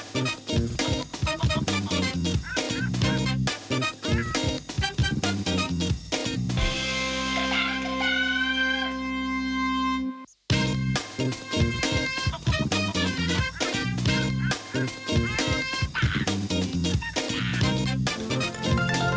โปรดติดตามตอนต่อไป